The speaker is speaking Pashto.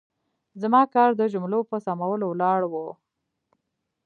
زما کار د جملو په سمولو ولاړ و.